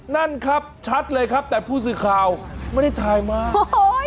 นั่นครับชัดเลยครับแต่ผู้สื่อข่าวไม่ได้ถ่ายมาโอ้โห